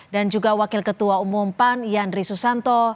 dan juga wakil ketua umum pan yandri susanto